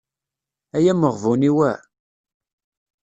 Ay ameɣbun-iw ah.